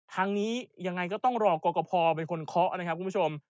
ทางนี้ยังไงก็ต้องรอกรกภเป็นคนเคาะนะครับคุณผู้ชม